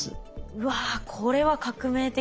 うわこれは革命的。